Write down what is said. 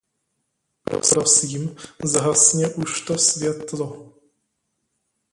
Prosím zhasni už to světlo!